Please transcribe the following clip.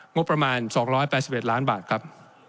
งบประมาณ๒๘๑ล้านบาทครับ